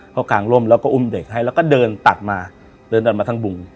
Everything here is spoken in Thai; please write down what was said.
เขากางร่มแล้วก็อุ้มเด็กให้แล้วก็เดินตัดมาเดินตัดมาทั้งบุง